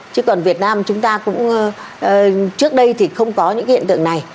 chứ còn việt nam chúng ta cũng trước đây thì không có những cái hiện tượng này